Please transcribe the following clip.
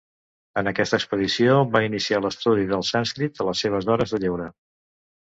En aquesta expedició, va iniciar l'estudi del sànscrit a les seves hores de lleure.